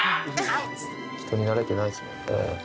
人になれてないですもんね。